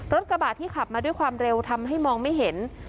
กระบาดที่ขับมาด้วยความเร็วทำให้มองไม่เห็น